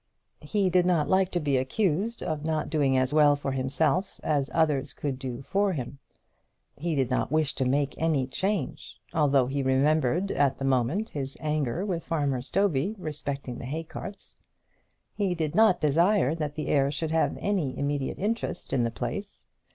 He did not like to be accused of not doing as well for himself as others could do for him. He did not wish to make any change, although he remembered at the moment his anger with Farmer Stovey respecting the haycarts. He did not desire that the heir should have any immediate interest in the place.